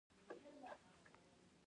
د ننګرهار د مچیو فارمونه څنګه دي؟